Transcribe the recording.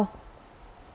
hẹn gặp lại